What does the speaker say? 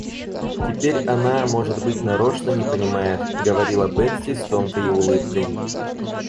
Теперь она, может быть, нарочно не понимает, — говорила Бетси с тонкою улыбкой.